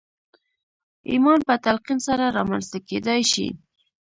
ايمان په تلقين سره رامنځته کېدای شي.